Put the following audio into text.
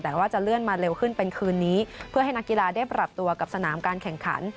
แต่ว่าจะเลื่อนมาเร็วขึ้นเป็นคืนนี้เพื่อให้นักกีฬาได้ปรับตัวกับสนามการแข่งขัน